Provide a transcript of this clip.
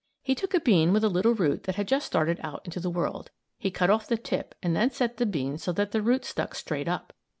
He took a bean with a little root that had just started out into the world. He cut off the tip and then set the bean so that the root stuck straight up.